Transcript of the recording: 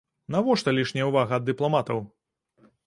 Навошта лішняя ўвага ад дыпламатаў?